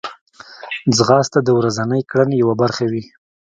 ځغاسته د ورځنۍ کړنې یوه برخه وي